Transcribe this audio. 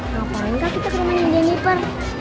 ngapain kah kita ke rumahnya jennifer